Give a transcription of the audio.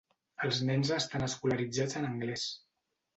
Els nens estan escolaritzats en anglès.